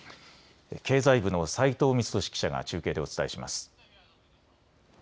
経済部の斉藤光峻記者が中継でお伝えします。